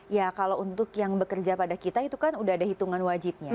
ya kalau untuk yang bekerja pada kita itu kan udah ada hitungan wajibnya